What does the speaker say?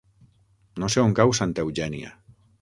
No sé on cau Santa Eugènia.